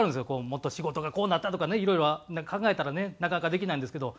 もっと仕事がこうなったらとかねいろいろ考えたらねなかなかできないんですけど。